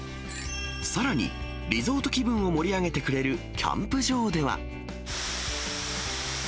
さらに、リゾート気分を盛り上げてくれるキャンプ場では。